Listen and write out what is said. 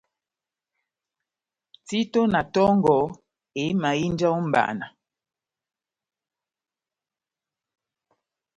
Tito na tongɔ éhimahínja ó mʼbana